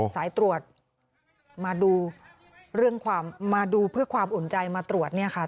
สายตรวจมาดูเรื่องความมาดูเพื่อความอุ่นใจมาตรวจเนี่ยค่ะ